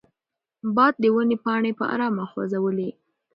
باد د ونې پاڼې په ارامه خوځولې.